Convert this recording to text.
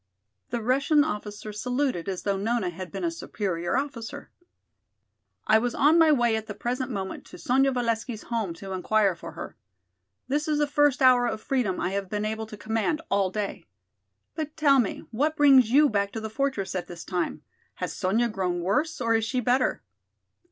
The Russian officer saluted as though Nona had been a superior officer. "I was on my way at the present moment to Sonya Valesky's home to inquire for her. This is the first hour of freedom I have been able to command all day. But tell me what brings you back to the fortress at this time? Has Sonya grown worse or is she better?"